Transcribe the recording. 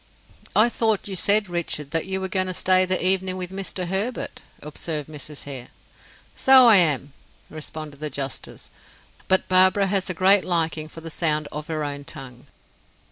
"I thought you said, Richard, that you were going to stay the evening with Mr. Herbert?" observed Mrs. Hare. "So I am," responded the justice. "But Barbara has a great liking for the sound of her own tongue."